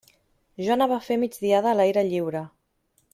Jo anava a fer migdiada a l'aire lliure.